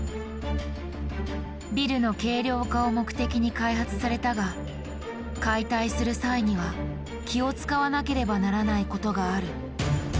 ビルの軽量化を目的に開発されたが解体する際には気を遣わなければならないことがある。